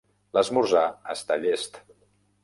L'esmorzar està llest.